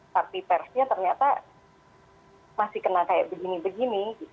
tapi persnya ternyata masih kena kayak begini begini